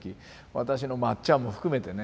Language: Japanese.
私のまっちゃんも含めてね。